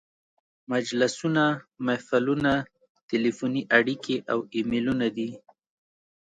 مجلسونه، محفلونه، تلیفوني اړیکې او ایمیلونه دي.